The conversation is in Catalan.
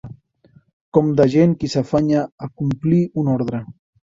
Com de gent qui s'afanya a complir un ordre.